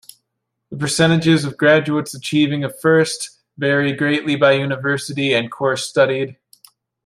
The percentages of graduates achieving a first vary greatly by university and course studied.